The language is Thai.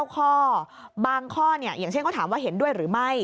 ๙ข้อบางข้ออย่างเช่นเขาถามว่าเห็นด้วยหรือไม่